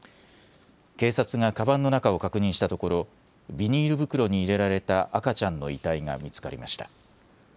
警察がかばんの中を確認したところビニール袋に入れられた赤ちゃんの遺体が見つかりました。